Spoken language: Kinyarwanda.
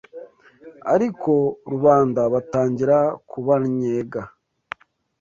ariko rubanda batangira kubannyega.